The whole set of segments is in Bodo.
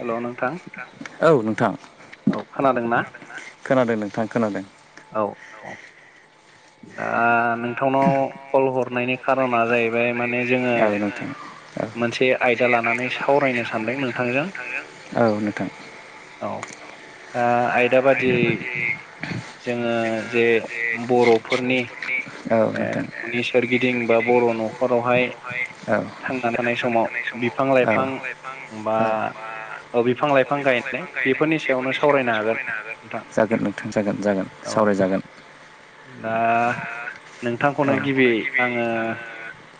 हेलौ नोंथां औ खोनादोंना? खोनादों नोंथां खोनादों। औ ओ नोंथांनाव कल हरनायनि खारना जाहैबाय माने जोङो [unintelligible] मोनसे आयदा लानानै सावरायनो सानदों नोंथांजों। नोंथां औ ओ आयदा बादियै जोङो जे बर'फोरनि ए न'नि सोरगिदिं बा बर' न'खरावहाय थांनानै थानाय समाव बिफां लाइफां बा बिफां लाइफां गायनाय बेफोरनि सायावनो सावरायनो हागोन। जागोन नोंथां जागोन-जागोन सावराय जागोन। दा नोंथांखौनो गिबि आङो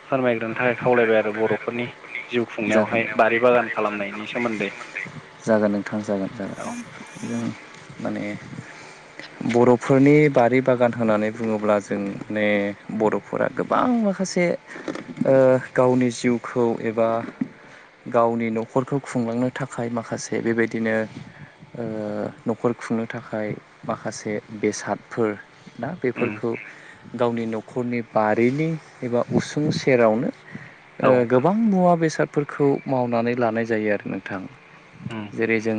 फोरमायग्रोनो थाखाय खावलायबाय आरो बर'फोरनि जिउ खुंनायावहाय बारि बागान खालामनायनि सोमोन्दै। जागोन नोंथां जागोन जागोन जों माने। बर'फोरनि बारि-बागान होननानै बुङोब्ला जों ने बर'फोरा गोबां माखासे ओ गावनि जिउखौ एबा गावनि न'खरखौ खुंलांनो थाखाय माखासे बेबायदिनो ओ न'खर खुंनो थाखाय माखासे बेसादफोर ना बेफोरखौ गावनि न'खरनि बारिनि एबा उसुं सेरावनो ओ गो गोबां मुवा बेसादफोरखौ मावनानै लानाय जायो आरो नोंथां जेरै जों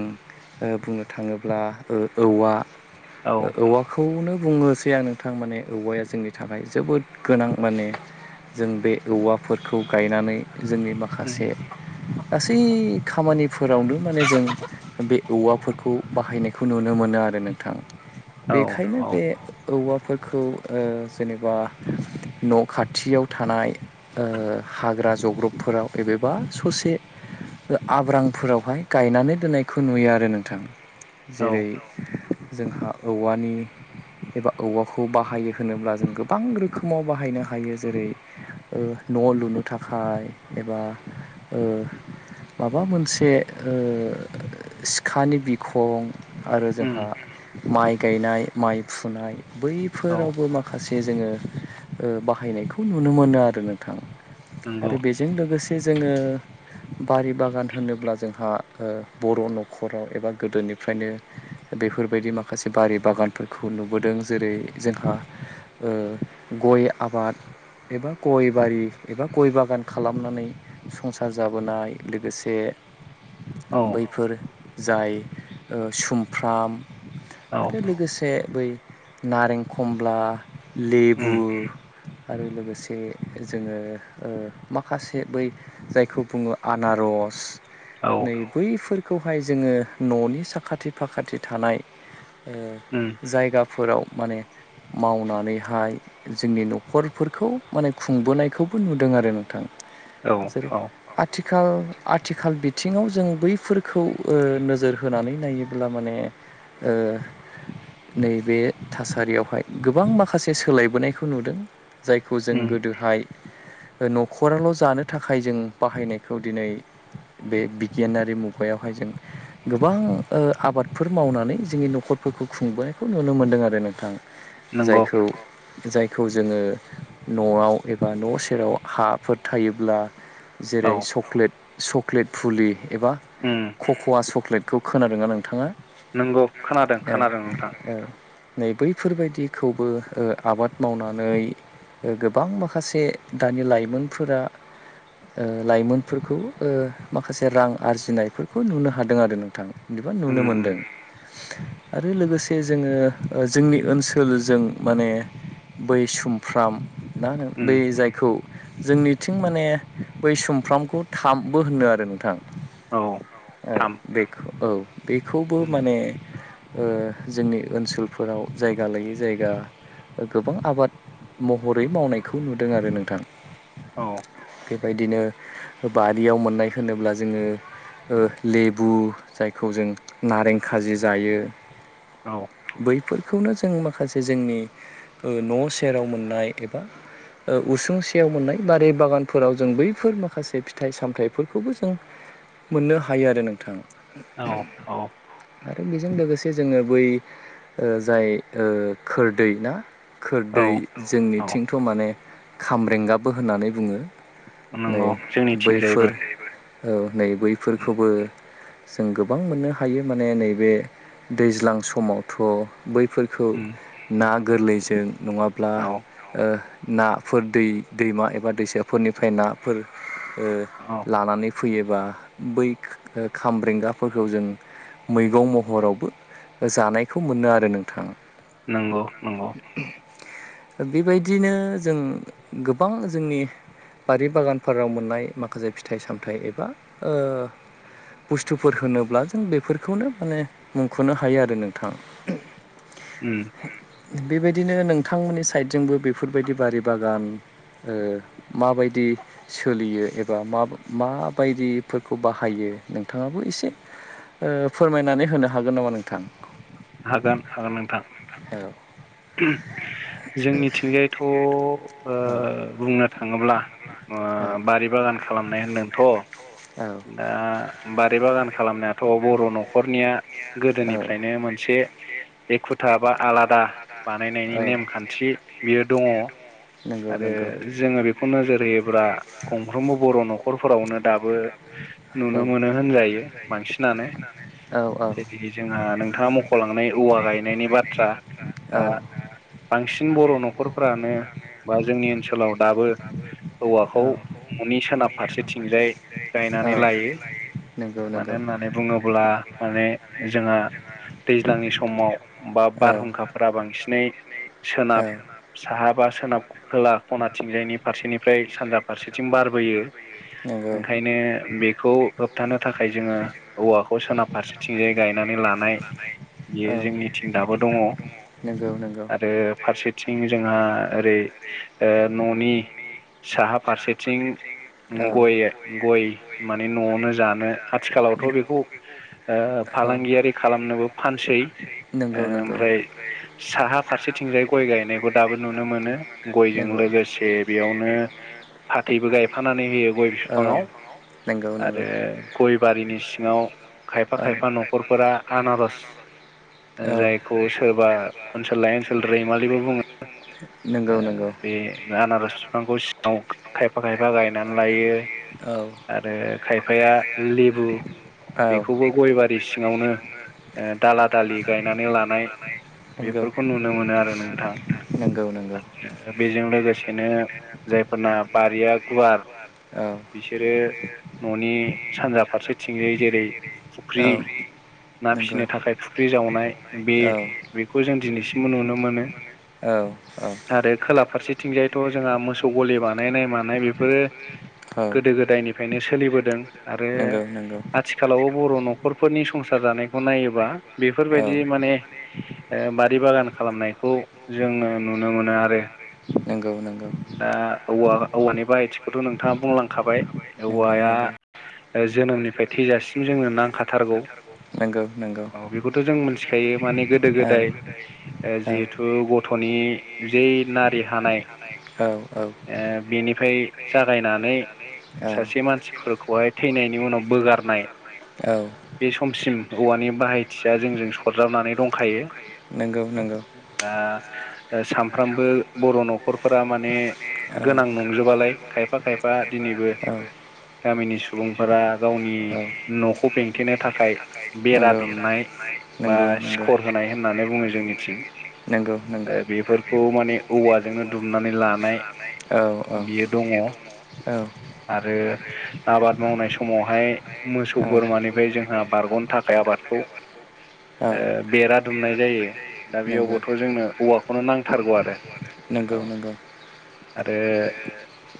ओ बुंनो थाङोब्ला ओ औवा ओ औवाखौनो बुङोसैआनो। थां माने औवाया जोंनि थाखाय जोबोद गोनां माने जों बे औवाफोरखौ गायनानै जोंनि माखासे गासै खामानिफोरावनो माने जों बे औवाफोरखौ बाहायनायखौ नुनो मोनो आरो नोंथां बेखायनो बे औवाफोरखौ ओ जेनेबा न' खाथियाव थानाय ओ हाग्रा जग्रबफोराव एबेबा ससे आब्रांफोरावहाय गायनानै दोननायखौ नुयो आरो नोंथां जेरै जोंहा औवानि एबा औवाखौ बाहायो होनोब्ला जों गोबां रोखोमाव बाहायनो हायो जेरै ओ न' लुनो थाखाय एबा ओ माबा मोनसे ओ सिखानि बिखं आरो जोंहा माइ गायनाय माइ फुनाय बैफोरावबो मा माखासे जोङो ओ बाहायनायखौ नुनो मोनो आरो नोंथां आरो बे बिजों लोगोसे जोङो बारि बागान होनोब्ला जोंहा ओ बर' न'खराव एबा गोदोनिफ्रायनो बेफोरबायदि माखासे बारि बागानफोरखौ नुबोदों जेरै जोंहा ओ गय आबाद एबा गय बारि एबा गय बागान खालामनानै संसार जाबोनाय लोगोसे बैफोर जाय ओ सुमफ्राम आरो लोगोसे बै नारें खमला, लेबु आरो लोगोसे जोङो ओ माखासे बै जायखौ बुङो आनारस। नै बैफोर खौहाय जोङो न'नि साखाथि फाखाथि थानाय ओ उम जायगाफोराव माने मावनानैहाय जोंनि न'खरफोरखौ माने खुंबोनायखौबो नुदों आरो नोंथां जेरै आथिखाल आथिखाल बिथिङाव जों बैफोरखौ ओ नोजोर होनानै नायो बिदिब्ला माने ओ नैबे थासारियावहाय गोबां माखासे सोलायबोनायखौ नुदों। खौ जों गोदोहाय न'खराल' जानो थाखाय जों बाहायनायखौ दिनै बे बिगियानारि मुगायावहाय जों गोबां ओ आबादफोर मावनानै जोंनि न'खर फोरखौ खुंबोनायखौ नुनो मोनदों आरो नोंथां जायखौ जायखौ जोङो न'आव एबा न' सेराव हाफोर थायोब्ला जेरै सक्लेट सक्लेट फुलि एबा कक'वा चक्लेटखौ खोनादों ना नोंथाङा? नंगौ खोनादों खोनादों नोंथां। नै बैफोरबायदिखौबो ओ आबाद मावनानै गोबां माखासे दानि लाइमोनफोरा ओ लाइमोनफोरखौ ओ माखासे रां आरजिनायफोरखौ नुनो हादों आरो नोंथां। बिदिबा नुनो मोनदों आरो लोगोसे जोङो जोंनि ओनसोलजों माने बै सुमफ्राम ना होन बै जायखौ जोंनिथिं माने बै सुमफ्रामखौ थाबबो होननो आरो नोंथां औ बे औ बेखौबो माने जोंनि ओनसोलफोराव जायगा लायै जायगा गोबां आबाद हरै मावनायखौ नुदों आरो नोंथां औ बेबायदिनो बारियाव मोननाय होनोब्ला जोङो लेबु जायखौ जों नारें खाजि जायो औ बैफोरखौनो जों माखासे जोंनि न' सेराव मोननाय एबा उसुंसेयाव मोननाय बारि बागानफोराव जों बैफोर माखासे फिथाइ सामथायाइफोरखौबो जों मोननो हायो आरो नोंथां औ औ आरो बेजों लोगोसे जोङो बै जाय खोरदै ना खोरदै जोंनिथिंथ' माने खाम्रेंगाबो होननानै बुङो नै बैफोर औ नै बैफोरखौबो जों गोबां मोननो हायो माने नैबे दैज्लां समावथ' बैफोर खौ ना गोरलैजों नङाब्ला ओ नाफोर दै दैमा एबा दैसाफोरनिफ्राय नाफोर ओ लानानै फैयोबा बै खामब्रेंगाफोरखौ जों मैगं महरावबो जानायखौ मोनो आरो नोंथां नंगौ नंगौ बेबायदिनो जों गोबां जोंनि बारि बागानफोराव मोननाय माखासे फिथाइ सामथाइ एबा बुस्थुफोर होनोब्ला जों बेफोरखौनो माने मुंख'नो हायो आरो नोंथाङा उम बेबायदिनो नोंथांमोननि साइडजोंबो बेफोरबायदि बारि बागान माबायदि सोलियो एबा म माबायदिफोरखौ बाहायो नोंथाङाबो एसे फोरमायनानै होनो हागोन नामा नोंथां हागोन हागोन नोंथां [inaudible] जोंनिथिंजायथ' ओ बुंनो थाङोब्ला ओ बारि बागान खालामनाय होनदोंथ' ओ बारि बागान खालामनायाथ' बर' न'खरनिया गोदोनिफ्रायनो मोनसे एखुथा बा आलादा बानायनायनि नेमखान्थि थि बियो दङ आरो जोङो बेखौ नोजोर होयोब्ला गंफ्रोमबो बर' न'खरफोरावनो दाबो नुनो मोनो होनजायो बांसिनानो जेरै जोंहा नोंथाङा मख'लांनाय औवा गायनायनि बाथ्रा दा बांसिन बर' न'खरफ्रानो बा जोंनि ओनसोलाव दाबो औवाखौ न'नि सोनाब फारसे थिंजाय गायनानै लायो मानो होननानै बुङोब्ला माने जोंहा दैज्लांनि समाव बा बारहुंखाफोरा बांसिनै सोनाब साहा बा सोनाब खोला खनाथिंजायनि फारसेनिफ्राय सानजा फारसेथिं बारबोयो ओंखायनो बेखौ होबथानो थाखाय जोङो औवाखौ सोनाब फारसेथिंजाय गायनानै लानाय बियो जोंनिथिं दाबो दङ नंगौ नंगौ फारसेथिं जोंहा ओरै ओ न'नि साहा फारसेथिं उ गय गय माने न'आवनो जानो आथिखालावथ' बेखौ ओ फालांगियारि खालामनोबो फानसै ओ ओमफ्राय साहा फारसेथिंजाय गय गायनायखौ दाबो नुनो मोनो गयजों लोगोसे बेयावनो फाथैबो गायफानानै होयो फाङाव आरो गय बारिनि सिङाव खायफा खायफा न'खरफोरा आनारज ओ जायखौ सोरबा ओनसोल लायै ओनसोल रैमालिबो बुङो ओ बे आनारस बिफांखौ सिङाव खायफा खायफा गायनानै लायो औ आरो खायफाया लिबु बेखौबो गय बारि सिङावनो ओ दाला दालि गायनानै लानाय बेफोरखौ नुनो मोनो आरो नोंथां नोंगौ नोंगौ बेजों लोगोसेनो जायफोरना बारिया गुवार बिसोरो न'नि सानजा फारसेथिंजाय जेरै फुख्रि ना फिसिनो थाखाय फुख्रि जावनाय बे बेखौ जों दिनैसिमबो नुनो मोनो औ औ आरो खोला फारसेथिंजायथ' जोंहा मोसौ गलि बानायनाय मानाय बेफोरो गोदो गोदायनिफ्रायनो सोलिबोदों आरो आथिखालावबो बर' न'खरफोरनि संसार जानाय खौ नायोबा बेफोरबायदि माने ओ बारि बागान खालामनायखौ जोङो नुनो मोनो आरो नंगौ नों दा औवा औवानि बायथिखौथ' नोंथाङा बुंलांखाबाय औवाया ओ जोनोमनिफ्राय थैजासिम जोंनो नांखाथारगौ औ बेखौथ' जों मिथिखायो माने गोदो गोदाय ओ जिहेथु गथ'नि जै नारि हानाय ओ ओ बिनिफ्राय जागायनानै सासे मानसिफोरखौहाय थैनायनि उनाव बोगारनाय बे समसिम औवानि बाहाय थिया जोंजों सरजाबनानै दंखायो दा ओ सानफ्रामबो बर' फोरा माने गोनां नंजोबालाय खायफा खायफा दिनैबो गामिनि सुबुंफोरा गावनि न'खौ बेंथेनो थाखाय बेरा दुमनाय बा सिखर होनाय होननानै बुङो जोंनिथिं नंगौ नंगौ औ माने औवाजोंनो दुमनानै लानाय बियो दङ आरो आबाद मावनाय समावहाय मोसौ बोरमानिफ्राय जोंहा बारग'नो थाखाय आबादखौ ओ बेरा दुमनाय जायो दा बेयावबोथ' जोंनो औवाखौनो नांथारगौ आरो नंगौ नंगौ आरो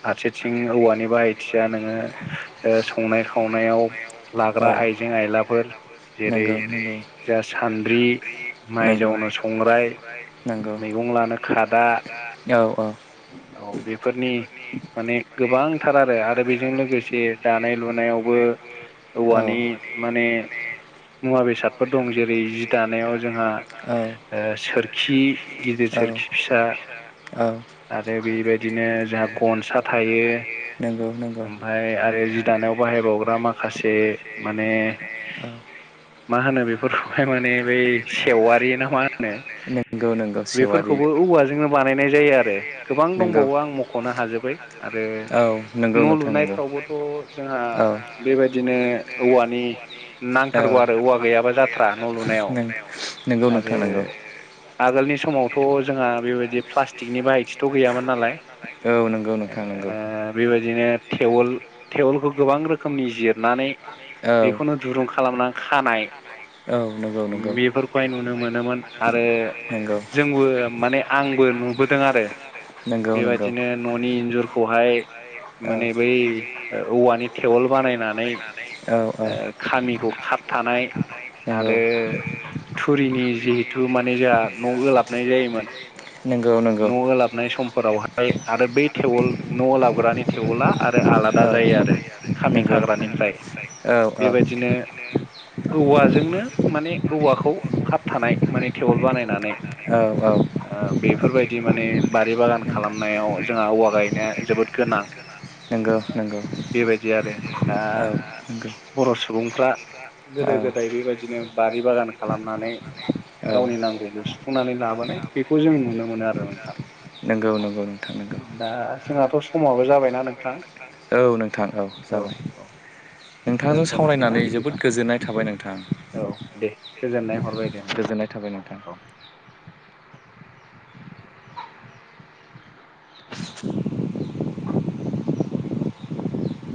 फारसेथिं औवानि बाहायथिया नोङो ओ संनाय खावनायाव लाग्रा आइजें आयलाफोर जेरै जा सान्द्रि माइ जावनो संग्राय मैगं लानो खादा औ औ औ बेफोरनि माने गोबांथार आरो आरो बेजों लोगोसे दानाय लुनायावबो औवानि माने मुवा बेसादफोर दं जेरै जि दानायाव जोंहा सोरखि गिदिर सोरखि फिसा औ आरो बेबायदिनो जोंहा गनसा थायो नंगौ नंगौ ओमफ्राय आरो जि दानायाव बाहायबावग्रा माखासे माने मा होनो बेफोरखौहाय माने बै सेवारि ना मा होनो बेफोरखौबो औवाजोंनो बानायनाय जायो आरो गोबां दंबावो आं मख'नो हाजोबै आरो न' लुनायफ्रावबोथ' जोंहा बेबायदिनो औवानि नांथारगौ आरो औवा गैयाबा जाथ्रा न' लुनायाव आरो आगोलनि समावथ' जोंहा बेबायदि प्लास्टिकनि बाहायथिथ' गैयामोन नालाय औ नंगौ नोंथां नंगौ बेबायदिनो थेवोल थेवोलखौ गोबां रोखोमनि जिरनानै बेखौनो दुरुं खालामनानै खानाय औ नंगौ बेफोरखौहाय नुनो मोनोमोन आरो जोंबो माने आंबो नुबो दों आरो बेबायदिनो न'नि इन्जुरखौहाय माने बै औवानि थेवल बानायनानै ओ खामिखौ खाबथानाय। आरो थुरिनि जिहेथु माने जोंहा न' ओलाबनाय जायोमोन। न' ओलाबनाय समफोरावहाय आरो बै टेवोल न' ओलाबग्रानि थेवोबोला आरो आलादा जायो आरो खामि खाग्रानिफ्राय‌। औ औ बेबादिनो औवाजोंनो माने औवाखौ खाबथानाय माने टेवोल बानायनानै। औ-औ बेफोरबायदि माने बारि बागान खालामनायाव जोंहा औवा गायनाया जोबोद गोनां नंगौ बेबायदि आरो दा बर' सुबुंफ्रा गोदो गोदाय बेबायदिनो बारि बागान खालामनानै औ सुफुंनानै लाबोनाय बेखौ जों नुनो मोनो आरो नोंथां। दा जोंहाथ' समाबो जाबायना नोंथां? औ नोंथां औ जाबाय। नोंथांजों सावरायनानै जोबोद गोजोननाय थाबाय नोंथा। औ दे गोजोननाय हरबाय दे नोंथां औ